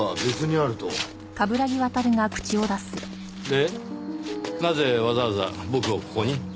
でなぜわざわざ僕をここに？